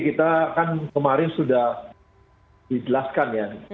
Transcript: kita kan kemarin sudah dijelaskan ya